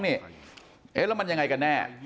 แล้วมันยังไงกันแน่